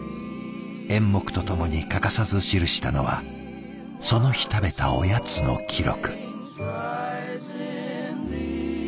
演目と共に欠かさず記したのはその日食べたおやつの記録。